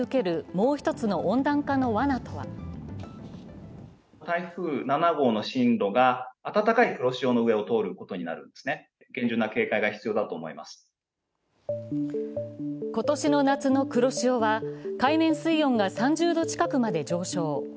もう１つの温暖化のわなとは今年の夏の黒潮は海面水温が３０度近くまで上昇。